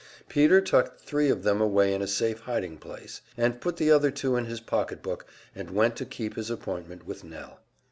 Peter tucked three of them away in a safe hiding place, and put the other two in his pocketbook, and went to keep his appointment with Nell.